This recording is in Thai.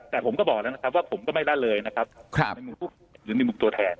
แต่ผมก็บอกแล้วนะครับว่าผมก็ไม่ละเลยนะครับในมุมหรือในมุมตัวแทน